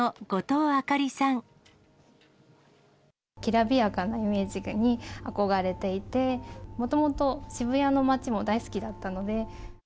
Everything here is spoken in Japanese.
きらびやかなイメージに憧れていて、もともと渋谷の街も大好きだったので。